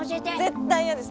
絶対嫌です！